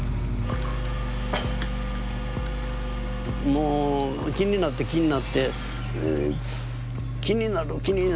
もう気になって気になって気になる気になるっていう。